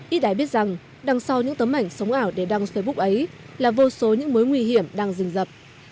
ít ai biết rằng đằng sau những tấm ảnh sống ảo để đăng facebook ấy là vô số những mối nguy hiểm đang dình rập